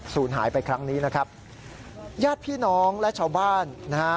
หายไปครั้งนี้นะครับญาติพี่น้องและชาวบ้านนะฮะ